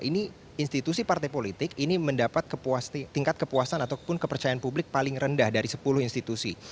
ini institusi partai politik ini mendapat tingkat kepuasan ataupun kepercayaan publik paling rendah dari sepuluh institusi